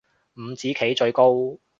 五子棋最高